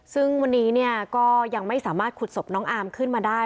ซึ่งวันนี้เนี่ยก็ยังไม่สามารถขุดศพน้องอามขึ้นมาได้